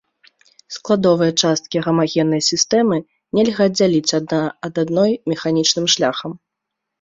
Складовыя часткі гамагеннай сістэмы нельга аддзяліць адна ад адной механічным шляхам.